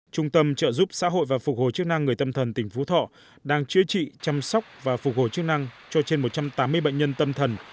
trung tâm trợ giúp xã hội và phục hồi chức năng người tâm thần tỉnh phú thọ đang chữa trị chăm sóc và phục hồi chức năng cho trên một trăm tám mươi bệnh nhân tâm thần